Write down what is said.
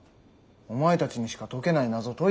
お前たちにしか解けない謎解いただろ？